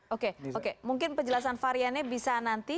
oke oke mungkin penjelasan variannya bisa nanti